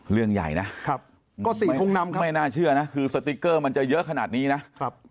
เรื่องใหญ่นะไม่น่าเชื่อนะคือสติกเกอร์มันจะเยอะขนาดนี้นะ